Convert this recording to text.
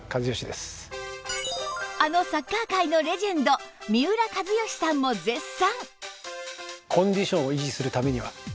あのサッカー界のレジェンド三浦知良さんも絶賛！